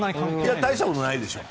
大したことないでしょう。